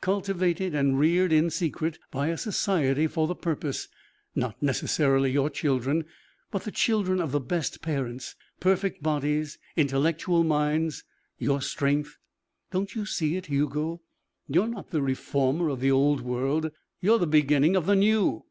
Cultivated and reared in secret by a society for the purpose. Not necessarily your children, but the children of the best parents. Perfect bodies, intellectual minds, your strength. Don't you see it, Hugo? You are not the reformer of the old world. You are the beginning of the new.